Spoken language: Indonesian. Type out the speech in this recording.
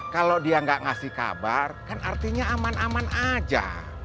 kalau dia nggak ngasih kabar kan artinya aman aman aja